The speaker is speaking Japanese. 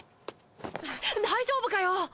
大丈夫かよ！？